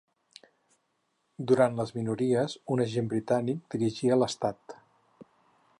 Durant les minories un agent britànic dirigia l'estat.